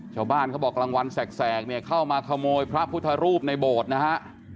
เขาบอกกลางวันแสกเนี่ยเข้ามาขโมยพระพุทธรูปในโบสถ์นะฮะ